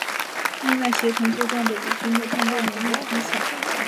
另外协同作战的伪军的战斗能力低下。